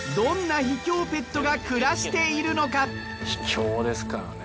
秘境ですからね。